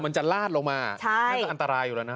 มันจะลาดลงมานั่นก็อันตรายอยู่แล้วนะ